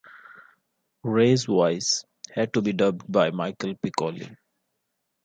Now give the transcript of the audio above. Rey's voice had to be dubbed by Michel Piccoli.